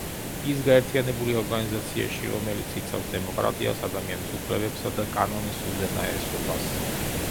ის გაერთიანებულია ორგანიზაციაში, რომელიც იცავს დემოკრატიას, ადამიანის უფლებებსა და კანონის უზენაესობას.